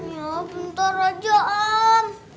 ya bentar aja om